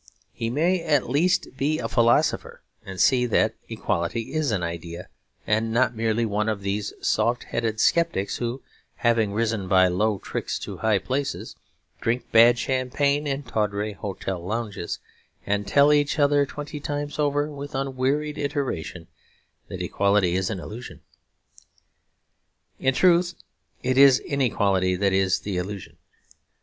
He may at least be a philosopher and see that equality is an idea; and not merely one of these soft headed sceptics who, having risen by low tricks to high places, drink bad champagne in tawdry hotel lounges, and tell each other twenty times over, with unwearied iteration, that equality is an illusion. In truth it is inequality that is the illusion.